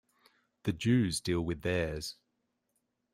The Jews deal with theirs.